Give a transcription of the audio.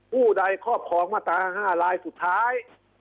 ผู้ใดครอบครองมาตรา๕ลายสุดท้าย